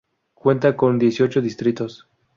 Cuenta con dieciocho distritos.